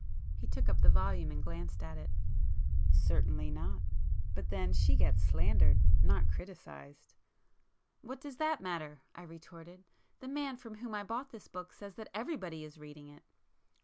He took up the volume and glanced at it. [p 175]"Certainly not. But then,—she gets slandered—not criticized!" "What does that matter!" I retorted—"The man from whom I bought this book says that everybody is reading it."